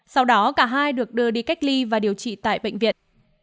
sau đó cả hai được đưa đi cách ly và điều trị tại bệnh viện